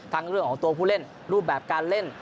เรื่องของตัวผู้เล่นรูปแบบการเล่น